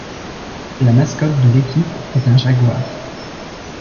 La mascotte de l'équipe est un jaguar.